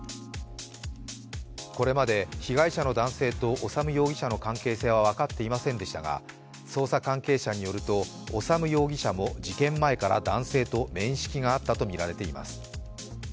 これまで被害者の男性と修容疑者の関係性は分かっていませんでしたが捜査関係者によると、修容疑者も事件前から男性と面識があったとみられています。